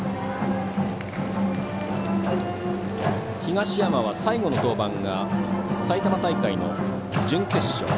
東山は、最後の登板が埼玉大会の準決勝。